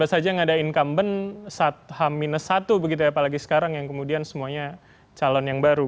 baik dua ribu sembilan belas saja yang ada incumbent sat ham minus satu begitu ya apalagi sekarang yang kemudian semuanya calon yang baru